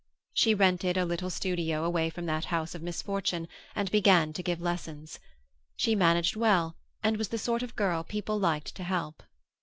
She rented a little studio away from that house of misfortune and began to give lessons. She managed well and was the sort of girl people liked to help.